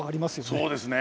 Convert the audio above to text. そうですね。